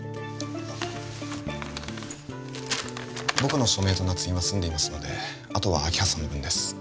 僕の署名と捺印は済んでいますのであとは明葉さんの分です